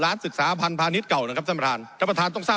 ล้านศึกษาพัณฑามิษฐ์เก่าครับท่านประธานต้องทราบเป็นอย่างดี